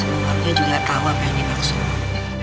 semua orangnya juga tau apa yang dimaksud